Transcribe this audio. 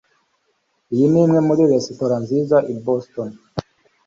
iyi ni imwe muri resitora nziza i boston